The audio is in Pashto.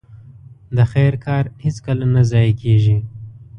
د خير کار هيڅکله نه ضايع کېږي.